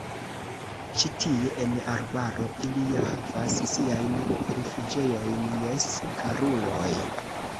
Ĉi tie, en arbaro, ili ja havas siajn rifuĝejojn, jes, karuloj.